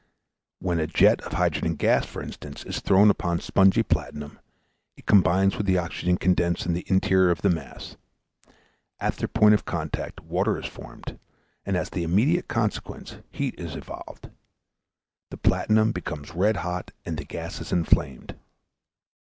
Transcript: When a jet of hydrogen gas, for instance, is thrown upon spongy platinum, it combines with the oxygen condensed in the interior of the mass; at their point of contact water is formed, and as the immediate consequence heat is evolved; the platinum becomes red hot and the gas is inflamed.